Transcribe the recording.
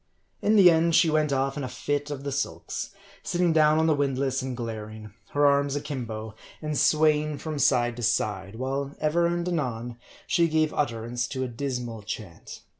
In the end she went off in a fit of the sulks ; sitting down on the windlass and glaring ; her arms akimbo, and sway ing from side to side ; while ever and anon she gave utter ance to a dismal chant.